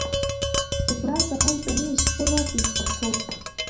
Убра ҵаҟа итәаны изфо роуп изхәарҭоу.